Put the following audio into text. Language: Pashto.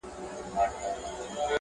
موږ په هر يو گاونډي وهلی گول دی,